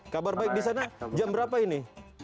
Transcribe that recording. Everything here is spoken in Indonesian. kabar baik di sana jam berapa ini